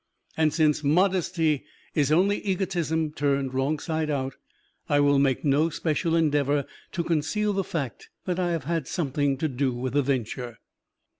And since modesty is only egotism turned wrong side out, I will make no special endeavor to conceal the fact that I have had something to do with the venture.